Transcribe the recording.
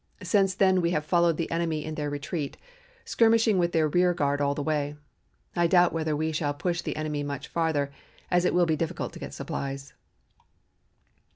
Since then we have followed the enemy in their retreat, skirmishing with their rear guard all the way. I doubt whether we shall push the enemy much farther, as it will be difficult to get supplies."